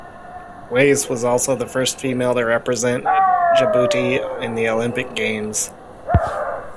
Wais was also the first female to represent Djibouti in the Olympic games.